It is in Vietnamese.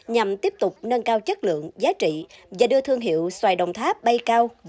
nhằm tiếp tục nâng cao chất lượng giá trị và đưa thương hiệu xoài đồng tháp bay cao và bay xa hơn